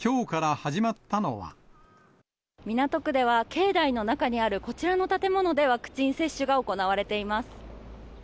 港区では、境内の中にあるこちらの建物でワクチン接種が行われています。